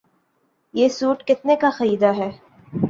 یہ سوٹ کتنے کا خریدا ہے؟